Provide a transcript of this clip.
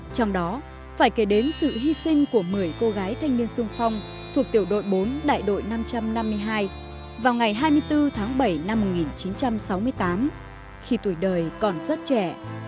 trong đó phải kể đến sự hy sinh của một mươi cô gái thanh niên sung phong thuộc tiểu đội bốn đại đội năm trăm năm mươi hai vào ngày hai mươi bốn tháng bảy năm một nghìn chín trăm sáu mươi tám khi tuổi đời còn rất trẻ